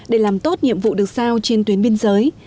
để làm tốt nhiệm vụ được sao trên tuyến biên giới